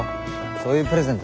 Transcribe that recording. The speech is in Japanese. そういうプレゼント